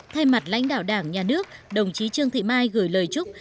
thay mặt lãnh đạo đảng nhà nước đồng chí trương thị mai gửi lời chúc